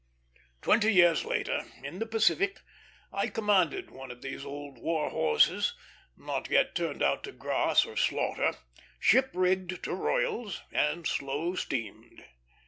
Twenty years later, in the Pacific, I commanded one of these old war horses, not yet turned out to grass or slaughter, ship rigged to royals, and slow steamed.